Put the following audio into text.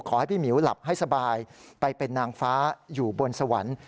ขอให้พี่หมิวหลับให้สบายไปเป็นนางฟ้าอยู่บนสวรรค์